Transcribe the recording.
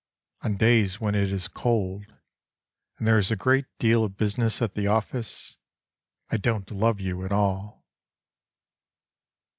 On days when it is cold, and there is a great deal of business at the office, I don't love you at all.